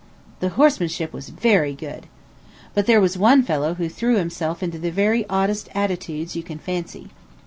The horsemanship was very good. But there was one fellow who threw himself into the very oddest attitudes you can fancy.